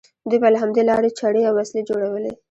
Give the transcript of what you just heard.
دوی به له همدې لارې چړې او وسلې جوړولې.